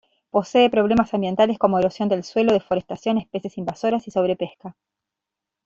Posee problemas ambientales como erosión del suelo, deforestación, especies invasoras y sobrepesca.